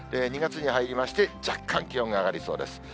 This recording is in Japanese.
２月に入りまして、若干気温が上がりそうです。